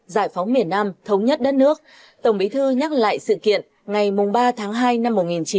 giải phóng miền nam thống nhất đất nước tổng bí thư nhắc lại sự kiện ngày ba tháng hai năm một nghìn chín trăm bảy mươi năm